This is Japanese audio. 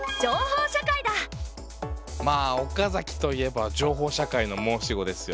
まぁ岡崎といえば情報社会の申し子ですよ。